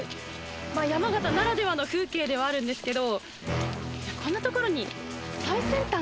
まあ山形ならではの風景ではあるんですけど。